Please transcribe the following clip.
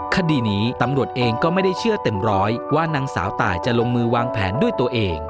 คดีนี้ตำรวจเองก็ไม่ได้เชื่อเต็มร้อยว่านางสาวตายจะลงมือวางแผนด้วยตัวเอง